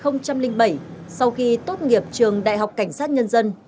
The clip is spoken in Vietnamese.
năm hai nghìn bảy sau khi tốt nghiệp trường đại học cảnh sát nhân dân